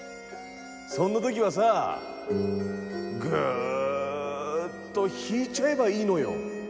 そんな時はさぐっと引いちゃえばいいのよ。